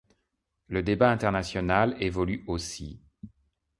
Le débat international évolue aussi.